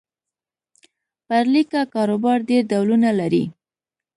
پر لیکه کاروبار ډېر ډولونه لري.